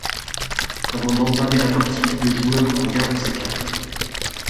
Avant d’entamer la partie, le joueur regarde ses cartes.